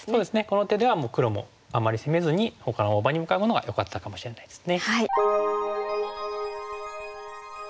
この手ではもう黒もあまり攻めずにほかの大場に向かうのがよかったかもしれないですね。